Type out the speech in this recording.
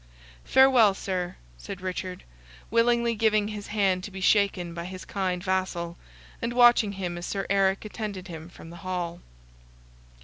"Farewell, Sir," said Richard, willingly giving his hand to be shaken by his kind vassal, and watching him as Sir Eric attended him from the hall.